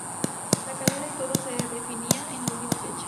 La Calera y todo se definía en la última fecha.